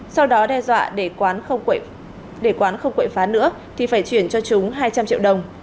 sau đó đe dọa để quán không quấy phá nữa thì phải chuyển cho chúng hai trăm linh triệu đồng